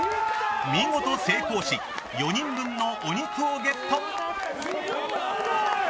見事成功し４人分のお肉をゲット。